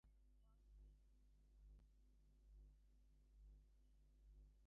Most of the ranch is currently protected by Williamson Act contracts.